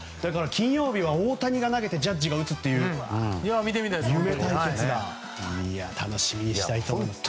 金曜日は大谷が投げてジャッジが打つという夢対決を楽しみにしたいと思います。